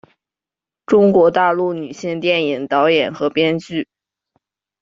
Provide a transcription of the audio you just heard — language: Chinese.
中国大陆女性电影导演和编剧。